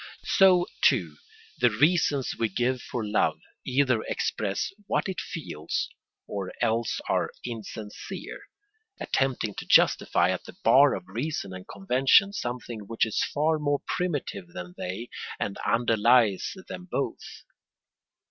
So, too, the reasons we give for love either express what it feels or else are insincere, attempting to justify at the bar of reason and convention something which is far more primitive than they and underlies them both.